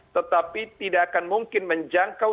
tetapi tidak akan mungkin menjangkau